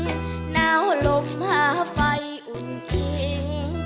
หน้าลมหาไฟอุ่นอิ่ง